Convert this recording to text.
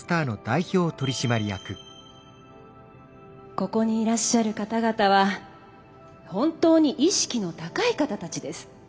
ここにいらっしゃる方々は本当に意識の高い方たちです。